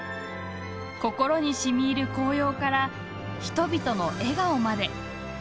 心にしみいる紅葉から人々の笑顔まで。